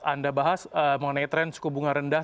anda bahas mengenai tren suku bunga rendah